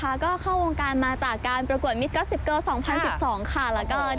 อ่ายิงกับพี่กรรดิสีเข็ด